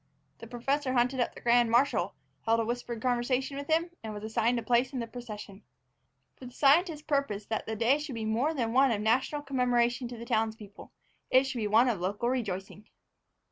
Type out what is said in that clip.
The professor hunted up the grand marshal, held a whispered conversation with him, and was assigned a place in the procession. For the scientist purposed that the day should be more than one of national commemoration to the townspeople: it should be one of local rejoicing.